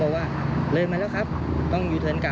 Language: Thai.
แล้วท่านเขาก็บอกว่าเอ่อไปสิ